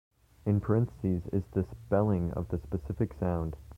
In parentheses is the spelling of the specific sound.